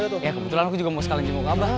oh ya kebetulan aku juga mau sekalian cemburu ke abah